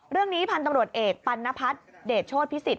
เรื่องนี้พันธุ์ตำรวจเอกปัณพัฒน์เดชโชธพิสิทธ